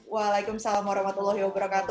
waalaikumsalam warahmatullahi wabarakatuh